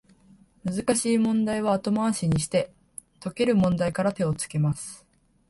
難しい問題は後回しにして、解ける問題から手をつけます